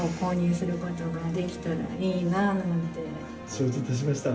承知いたしました。